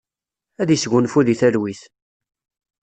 Ad isgunfu di talwit!